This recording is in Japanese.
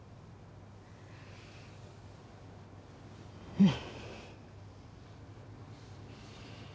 うん。